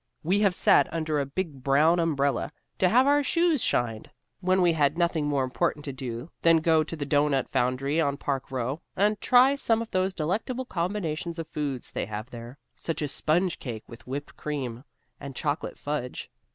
We have sat under a big brown umbrella, to have our shoes shined, when we had nothing more important to do than go to the doughnut foundry on Park Row and try some of those delectable combinations of foods they have there, such as sponge cake with whipped cream and chocolate fudge.